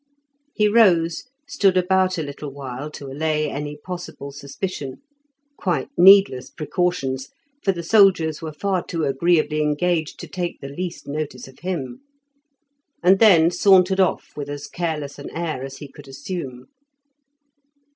He rose, stood about a little while to allay any possible suspicion (quite needless precautions, for the soldiers were far too agreeably engaged to take the least notice of him), and then sauntered off with as careless an air as he could assume.